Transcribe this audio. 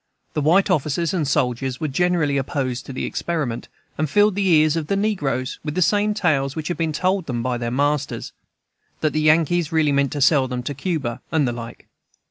The white officers and soldiers were generally opposed to the experiment, and filled the ears of the negroes with the same tales which had been told them by their masters, that the Yankees really meant to sell them to Cuba, and the like.